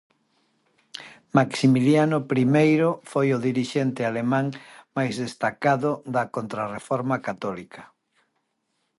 Maximiliano Primeiro foi o dirixente alemán máis destacado da Contrarreforma católica.